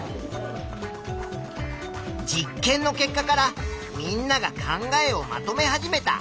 実験の結果からみんなが考えをまとめ始めた。